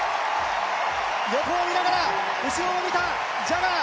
横を見ながら、後ろを見た、ジャガー。